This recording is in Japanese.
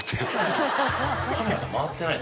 カメラが回ってない。